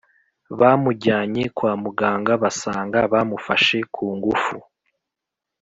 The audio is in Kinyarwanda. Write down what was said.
Bamujyanye kwa muganga basanga bamufashe kungufu